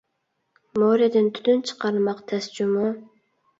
مورىدىن تۈتۈن چىقارماق تەس جۇمۇ!